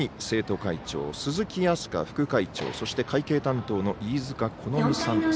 生徒会長鈴木明輝副会長そして会計担当の飯塚このみさん。